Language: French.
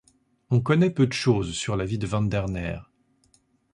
On connait peu de choses sur la vie de Van der Neer.